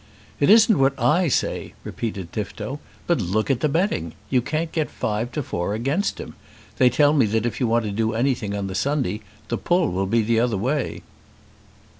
"It isn't what I say," repeated Tifto, "but look at the betting. You can't get five to four against him. They tell me that if you want to do anything on the Sunday the pull will be the other way."